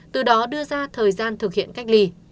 từ đó đưa ra thời gian thực hiện cách ly